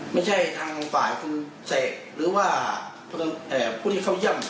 ไม่ใช่ทางฝ่ายคุณเสกหรือว่าผู้ที่เข้าเยี่ยม